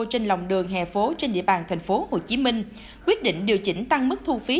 trên lòng đường hè phố trên địa bàn tp hcm quyết định điều chỉnh tăng mức thu phí